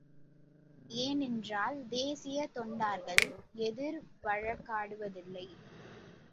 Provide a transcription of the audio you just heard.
ஏனென்றால் தேசியத்தொண்டார்கள் எதிர் வழக்காடுவதில்லை.